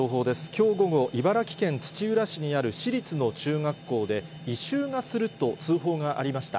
きょう午後、茨城県土浦市にある私立の中学校で、異臭がすると通報がありました。